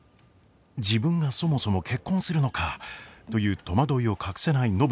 自分がそもそも結婚するのか？という戸惑いを隠せない暢子ですが。